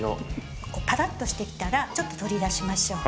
ぱらっとしてきたらちょっと取り出しましょう。